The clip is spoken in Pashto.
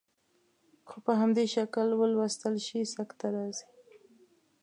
خو په همدې شکل ولوستل شي سکته راځي.